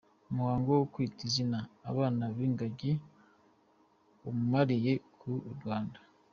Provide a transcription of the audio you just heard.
Umuhango wo Kwita Izina abana b’Ingagi umariye iki u Rwanda?.